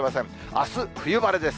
あす冬晴れです。